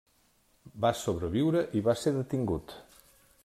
Va sobreviure i va ser detingut.